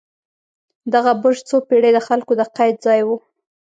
دغه برج څو پېړۍ د خلکو د قید ځای و.